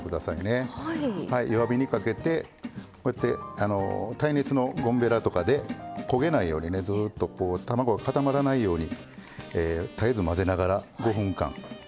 弱火にかけてこうやって耐熱のゴムべらとかで焦げないようにずっとこう卵が固まらないように絶えず混ぜながら５分間。